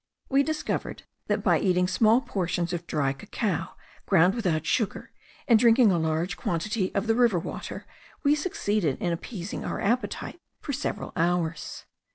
We discovered, that by eating small portions of dry cacao ground without sugar, and drinking a large quantity of the river water, we succeeded in appeasing our appetite for several hours.